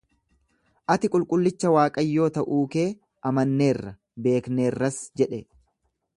Ati Qulqullicha Waaqayyoo ta’uu kee amanneerra, beekneerras jedhe.